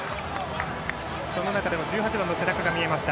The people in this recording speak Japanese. その中で１８番の背中が見えました。